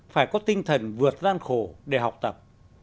phải có tinh thần vượt gian khổ để học tập